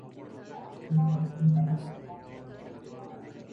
ستا د شونډو د رنګ نښې یې په څنډه